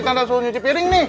kita udah suruh nyuci piring nih